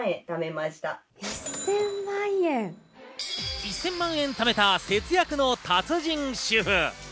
１０００万円貯めた、節約の達人主婦。